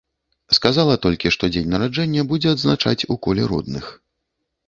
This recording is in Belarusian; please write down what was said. Сказала толькі, што дзень нараджэння будзе адзначаць у коле родных.